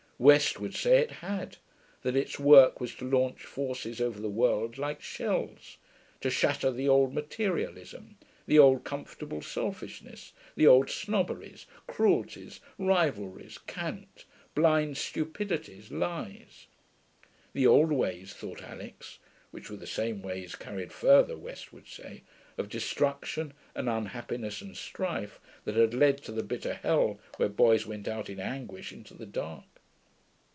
West would say it had; that its work was to launch forces over the world like shells, to shatter the old materialism, the old comfortable selfishness, the old snobberies, cruelties, rivalries, cant, blind stupidities, lies. The old ways, thought Alix (which were the same ways carried further, West would say), of destruction and unhappiness and strife, that had led to the bitter hell where boys went out in anguish into the dark.